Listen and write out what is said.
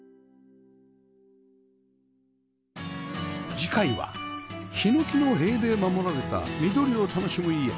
次回はヒノキの塀で守られた緑を楽しむ家